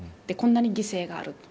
こんなに犠牲がある。